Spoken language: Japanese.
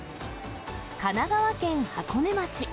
神奈川県箱根町。